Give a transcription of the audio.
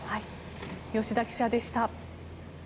吉田記者でした。